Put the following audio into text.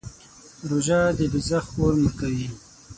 روژه د دوزخ اور مړ کوي.